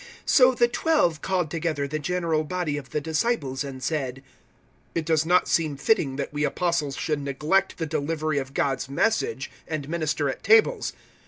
006:002 So the Twelve called together the general body of the disciples and said, "It does not seem fitting that we Apostles should neglect the delivery of God's Message and minister at tables.